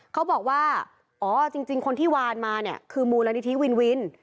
เขาบอกว่าอ๋อจริงคนที่วานมาเนี่ยคือมูลนิธิวินวิน